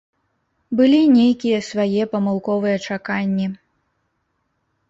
Былі нейкія свае памылковыя чаканні.